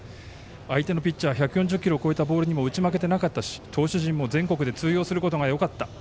相手のピッチャー１４０キロを超えたボールにも打ち負けてなかったし投手陣も全国で通じてよかった。